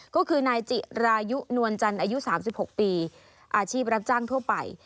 ก็คือนายจิรายุนวลจันทร์อายุ๓๖ปีอาชีพรับจ้างทั่วไป